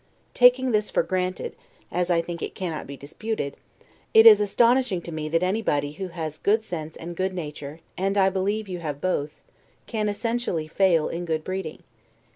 Taking this for granted (as I think it cannot be disputed), it is astonishing to me that anybody who has good sense and good nature (and I believe you have both), can essentially fail in good breeding.